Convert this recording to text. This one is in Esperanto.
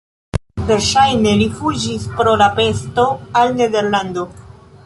Verŝajne li fuĝis pro la pesto al Nederlando.